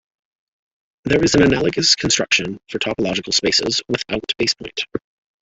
There is an analogous construction for topological spaces without basepoint.